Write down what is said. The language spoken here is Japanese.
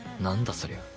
そりゃ。